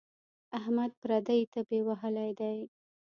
احمد پردۍ تبې وهلی دی.